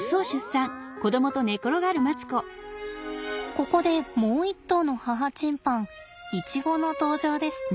ここでもう一頭の母チンパンイチゴの登場です。